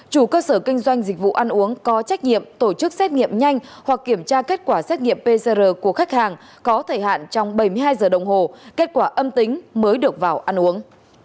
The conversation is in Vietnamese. chủ cơ sở kinh doanh dịch vụ ăn uống có trách nhiệm tổ chức xét nghiệm nhanh hoặc kiểm tra kết quả xét nghiệm pcr của khách hàng có thời hạn trong bảy mươi hai giờ đồng hồ kết quả âm tính mới được vào ăn uống